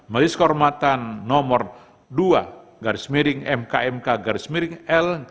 majelis kehormatan nomor dua garis miring mkmk garis miring l